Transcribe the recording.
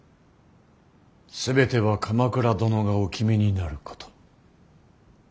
全ては鎌倉殿がお決めになること。